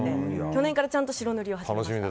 去年からちゃんと白塗りを始めました。